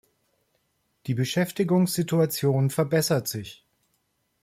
Die Beschäftigungssituation verbessert sich.